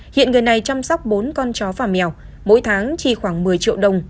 hiện người này chăm sóc bốn con chó và mèo mỗi tháng chỉ khoảng một mươi triệu đồng